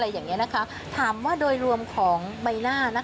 อย่างนี้นะคะถามว่าโดยรวมของใบหน้านะคะ